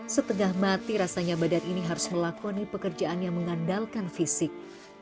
setengah mati rasanya badan ini harus melakoni pekerjaan yang mengandalkan fisik